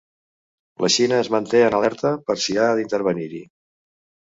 La Xina es manté en alerta per si ha d’intervenir-hi.